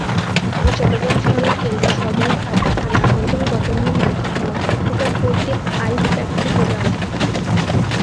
এটি চট্টগ্রাম শহরের কেন্দ্র সদরঘাট থানার অন্তর্গত নিউ মার্কেট মোড় নিকটবর্তী আইস্ ফ্যাক্টরী রোডে অবস্থিত।